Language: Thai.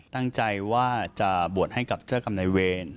ตั้งใจว่าจะบวชให้กับเจ้ากรรมนายเวร